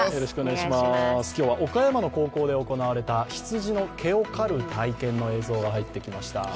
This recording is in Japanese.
今日は岡山の高校で行われた羊の毛を刈る体験の映像が入ってきました。